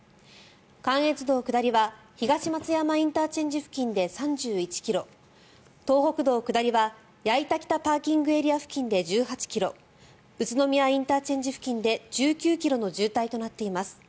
関越道下りは東松山ＩＣ付近で３１ｋｍ東北道下りは矢板北ＰＡ付近で１８ｋｍ宇都宮ＩＣ付近で１９ｋｍの渋滞となっています。